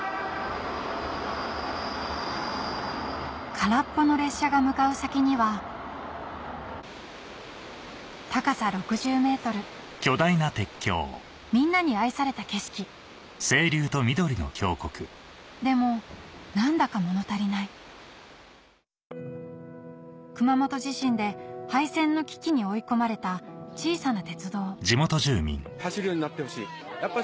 空っぽの列車が向かう先には高さ６０ｍみんなに愛された景色でも何だか物足りない熊本地震で廃線の危機に追い込まれた小さな鉄道走るようになってほしいやっぱし